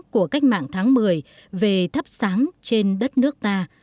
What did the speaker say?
của cách mạng tháng một mươi về thắp sáng trên đất nước ta